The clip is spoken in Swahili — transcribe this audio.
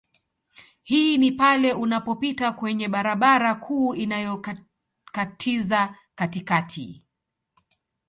Hii ni pale unapopita kwenye barabara kuu inayokatiza katikati